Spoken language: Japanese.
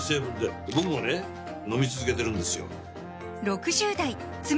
飲み続けてるんですよ